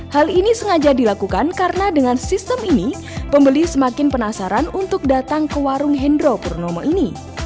hal ini sengaja dilakukan karena dengan sistem ini pembeli semakin penasaran untuk datang ke warung hendro purnomo ini